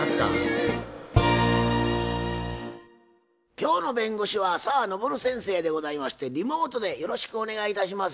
今日の弁護士は澤登先生でございましてリモートでよろしくお願いいたします。